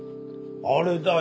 あれだよ。